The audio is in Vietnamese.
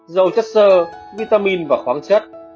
rau chất sơ vitamin và khoáng chất